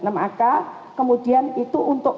maka kemudian itu untuk